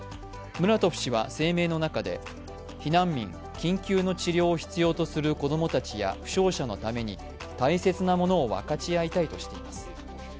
ムラトフ氏は声明の中で避難民、緊急の治療を必要とする子供たちや負傷者のために大切なものを分かち合いたいとしています。